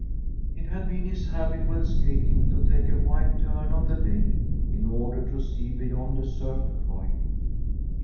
It had been his habit when skating to take a wide turn on the lake in order to see beyond a certain point.